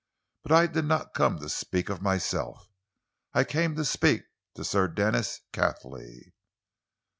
"But I did not come to speak of myself. I came to speak to Sir Denis Cathley."